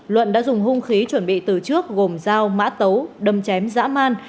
luận đã dùng hung khí chuẩn bị từ trước gồm dao mã tấu đâm chém giã man